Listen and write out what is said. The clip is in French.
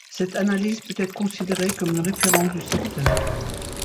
Cette analyse peut être considérée comme une référence du secteur.